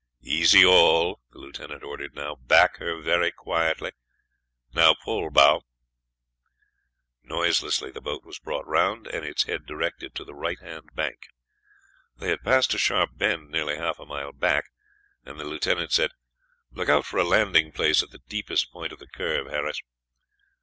"Easy all," the lieutenant ordered now; "back her very quietly; now pull bow." Noiselessly the boat was brought round, and its head directed to the right hand bank. They had passed a sharp bend nearly half a mile back, and the lieutenant said, "Look out for a landing place at the deepest point of the curve, Harris."